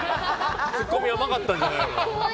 ツッコミ甘かったんじゃないの？